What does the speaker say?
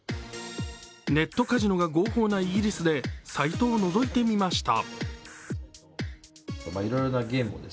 ネットカジノが合法なイギリスでサイトをのぞいてみました。